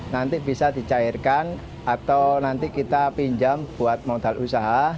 nanti bisa dicairkan atau nanti kita pinjam buat modal usaha